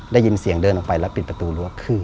ได้ยินเสียงเดินออกไปแล้วปิดประตูรั้ว